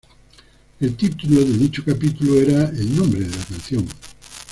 El título de dicho capítulo era el nombre de la canción.